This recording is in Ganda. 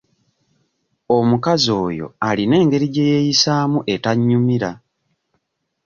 Omukazi oyo alina engeri gye yeeyisaamu etannyumira.